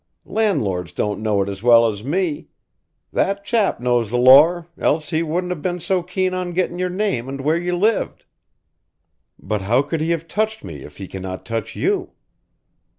Landlords don't know it as well as me. That chap knows the lor, else he wouldn't a' been so keen on gettin' your name and where you lived." "But how could he have touched me if he cannot touch you?"